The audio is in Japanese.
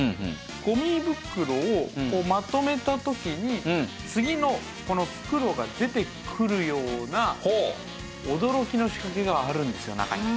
ゴミ袋をまとめた時に次のこの袋が出てくるような驚きの仕掛けがあるんですよ中に。